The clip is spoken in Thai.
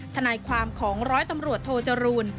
ทนายความของร้อยตำรวจโทจรูล